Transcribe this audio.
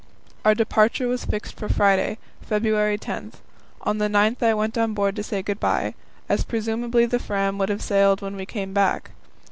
Our departure was fixed for Friday, February 10. On the 9th I went on board to say good bye, as presumably the Fram would have sailed when we came back.